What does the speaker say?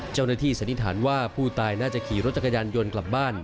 สันนิษฐานว่าผู้ตายน่าจะขี่รถจักรยานยนต์กลับบ้าน